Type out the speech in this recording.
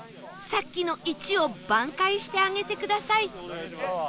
さっきの「１」を挽回してあげてください